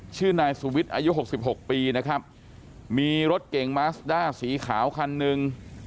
ชื่อนายสุวิทย์อายุหกสิบหกปีนะครับมีรถเก่งมาสด้าสีขาวคันหนึ่ง